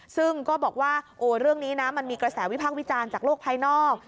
ซึ่งก็บอกว่าเรื่องนี้นะมันมีกระแสวิพากษ์วิจารณ์จากโลกภายนอก